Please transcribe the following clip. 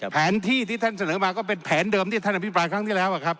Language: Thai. แผนที่ที่ท่านเสนอมาก็เป็นแผนเดิมที่ท่านอภิปรายครั้งที่แล้วครับ